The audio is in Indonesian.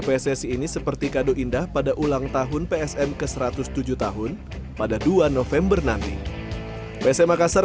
pssi ini seperti kado indah pada ulang tahun psm ke satu ratus tujuh tahun pada dua november nanti psm makassar